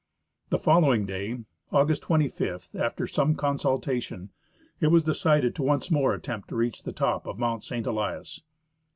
The following day, August 25, after some consultation, it was decided to once more attempt to reach the top of Mount St. Elias.